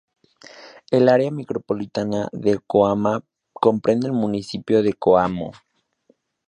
El área micropolitana de Coamo comprende el municipio de Coamo.